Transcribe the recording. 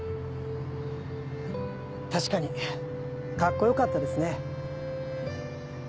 確かにカッコ良かったですね。